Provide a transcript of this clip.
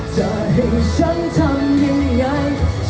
จะให้ฉันทำยังไง